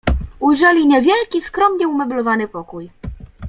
"Ujrzeli niewielki, skromnie umeblowany pokój."